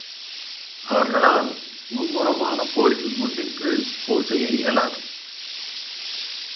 அவர்களால் மும்முரமான போரில் முன் நின்று போர் செய்ய இயலாது.